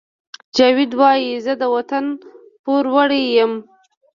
جاوید وایی زه د وطن پوروړی یم